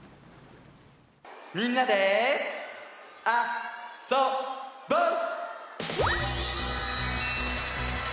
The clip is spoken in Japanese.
みんなであ・そ・ぼっ！